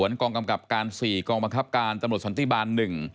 กองกำกับการ๔กองบังคับการตำรวจสันติบาล๑